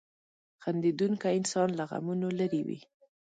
• خندېدونکی انسان له غمونو لرې وي.